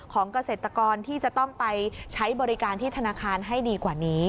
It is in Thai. เกษตรกรที่จะต้องไปใช้บริการที่ธนาคารให้ดีกว่านี้